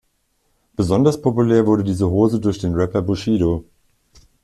Besonders populär wurde diese Hose durch den Rapper Bushido.